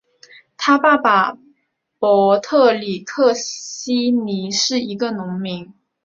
他的爸爸帕特里克希尼是一个农民。